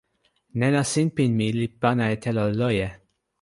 nena sinpin mi li pana e telo loje.